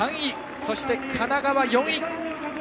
そして神奈川が４位。